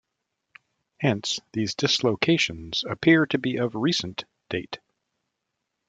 Hence these dislocations appear to be of recent date.